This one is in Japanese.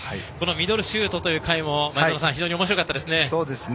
「ミドルシュート」という回も非常に面白かったですね。